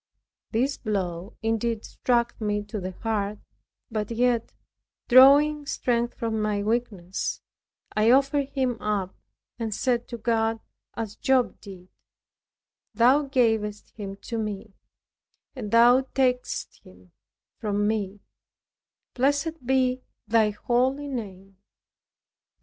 This blow indeed struck me to the heart, but yet, drawing strength from my weakness, I offered him up, and said to God as Job did, "Thou gavest him to me, and thou takest him from me; blessed be thy holy name."